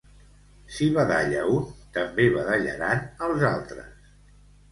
Si badalla un, també badallaran els altres.